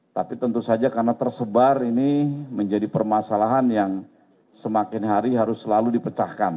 tapi tentu saja karena tersebar ini menjadi permasalahan yang semakin hari harus selalu dipecahkan